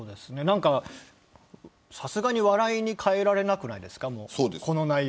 さすがに笑いに変えられなくないですか。